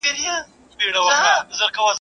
خواره مي غوښتې، نو نه د لالا د مرگه.